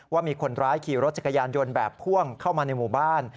ว่ามีคนร้ายขี่รถจักรยานยนต์แบบพ่วงเข้ามาในหมู่บ้าน